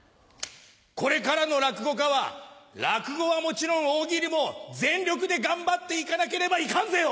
これからの落語家は落語はもちろん大喜利も全力で頑張っていかなければいかんぜよ！